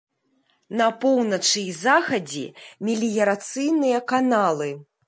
На поўначы і захадзе меліярацыйныя каналы.